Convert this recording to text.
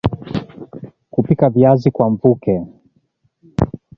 Kupika Viazi kwa mvuke